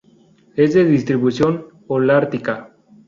Es de distribución holártica.